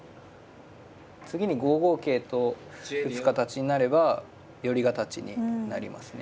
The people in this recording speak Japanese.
次に５五桂と打つ形になれば寄り形になりますね。